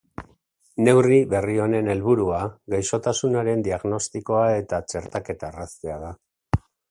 Neurri berri honen helburua gaixotasunaren diagnostikoa eta txertaketa erraztea da.